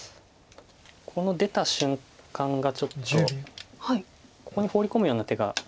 この出た瞬間がちょっとここにホウリ込むような手が。